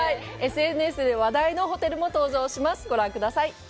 ＳＮＳで話題のホテルも登場します、ご覧ください。